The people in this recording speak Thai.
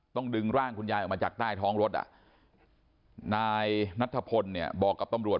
ต้องดึงร่างคุณยายออกมาจากใต้ท้องรถนายนัทธพลเนี่ยบอกกับตำรวจ